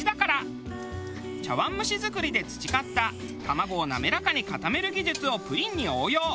茶碗蒸し作りで培った卵を滑らかに固める技術をプリンに応用。